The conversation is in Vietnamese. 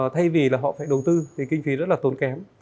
thay vì là họ phải đầu tư thì kinh phí rất là tốn kém